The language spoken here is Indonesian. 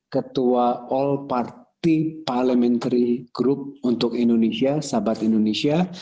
ketua all party parliamentary group untuk indonesia sahabat indonesia